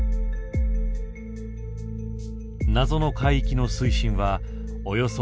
謎の海域の水深はおよそ１，０００ｍ。